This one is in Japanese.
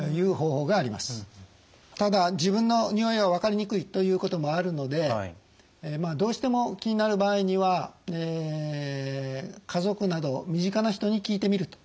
ただ自分のにおいは分かりにくいということもあるのでどうしても気になる場合には家族など身近な人に聞いてみるというのも有効だと思います。